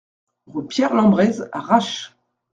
Rue Pierre Lembrez à Râches